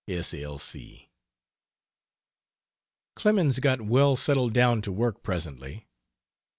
S. L. C. Clemens got well settled down to work presently.